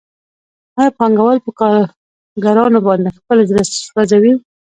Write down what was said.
آیا پانګوال په کارګرانو باندې خپل زړه سوځوي